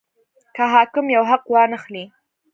که حاکم یو حق وانه خلي.